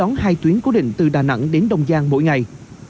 các khu du lịch sẽ đón hai tuyến cố định từ đà nẵng đến đông giang mỗi ngày